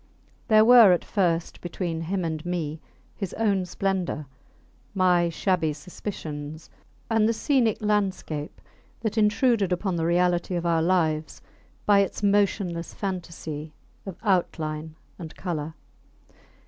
There were at first between him and me his own splendour, my shabby suspicions, and the scenic landscape that intruded upon the reality of our lives by its motionless fantasy of outline and colour.